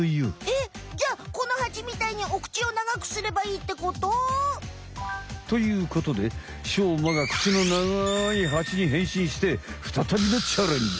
えっじゃこのハチみたいにお口を長くすればいいってこと？ということでしょうまが口の長いハチにへんしんしてふたたびのチャレンジ。